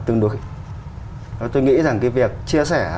tôi nghĩ rằng cái việc chia sẻ